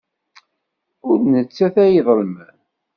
Ur d nettat ay iḍelmen.